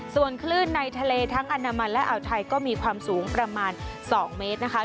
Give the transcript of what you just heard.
ส่วนคลื่นในทะเลทั้งอนามันและอ่าวไทยก็มีความสูงประมาณ๒เมตรนะคะ